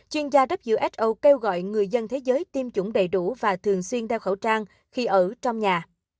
chuyên gia who kêu gọi người dân thế giới tiêm chủng đầy đủ và thường xuyên đeo khẩu trang khi ở trong nhà